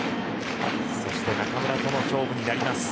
そして中村との勝負になります。